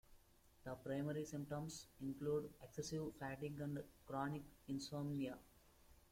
The primary symptoms include excessive fatigue and chronic insomnia.